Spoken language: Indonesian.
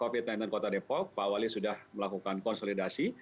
kami satgas kopi tentang kota depok pak wali sudah melakukan konsolidasi